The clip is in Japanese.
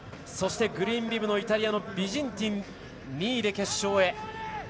そして、グリーンビブイタリアのビジンティンが２位で決勝へ。